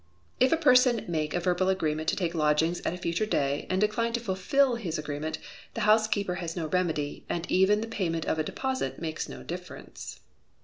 If a person make a verbal agreement to take lodgings at a future day, and decline to fulfil his agreement, the housekeeper has no remedy, and even the payment of a deposit makes no difference.